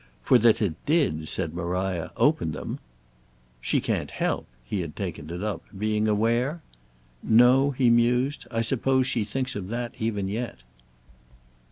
For that it did," said Maria, "open them—" "She can't help"—he had taken it up—"being aware? No," he mused; "I suppose she thinks of that even yet."